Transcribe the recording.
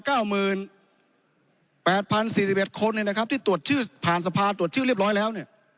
๙๘๐๔๑คนที่ตรวจชื่อผ่านสภาตรวจชื่อเรียบร้อยแล้ว